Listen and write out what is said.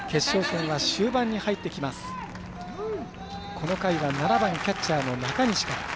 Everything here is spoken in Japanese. この回は７番キャッチャー、中西から。